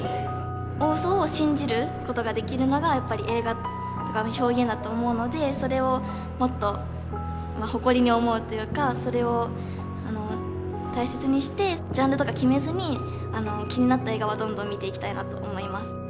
大ウソを信じる事ができるのがやっぱり映画とかの表現だと思うのでそれをもっと誇りに思うっていうかそれを大切にしてジャンルとか決めずに気になった映画はどんどん見ていきたいなと思います。